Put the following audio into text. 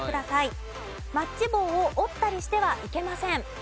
マッチ棒を折ったりしてはいけません。